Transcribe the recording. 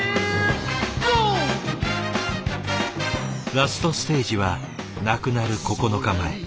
ラストステージは亡くなる９日前。